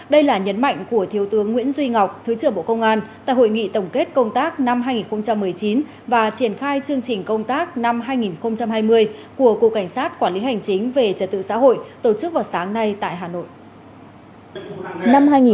đây là nhấn mạnh của thiếu tướng nguyễn duy ngọc thứ trưởng bộ công an tại hội nghị tổng kết công tác năm hai nghìn một mươi chín và triển khai chương trình công tác năm hai nghìn hai mươi của cục cảnh sát quản lý hành chính về trật tự xã hội tổ chức vào sáng nay tại hà nội